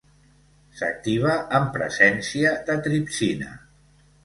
S'activa en presència de tripsina.